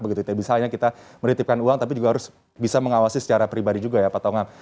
tidak bisa hanya kita menitipkan uang tapi juga harus bisa mengawasi secara pribadi juga ya pak tongam